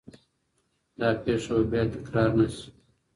دا پیښه به بیا تکرار نه سي.